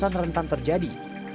karena hafasan rentan terjadi